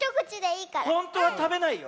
ほんとはたべないよ。